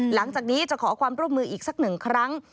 หลังจากนี้จะขอความร่วมมืออีกสักหนึ่งครั้ง